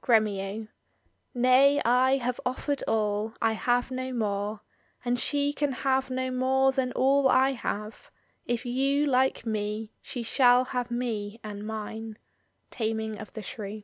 Gremio* — Nay, I have offered all, I have no more; And she can have no more than all I have: If you like me, she shall have me and mine. Taming of the Shrew.